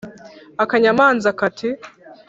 akanyamanza kati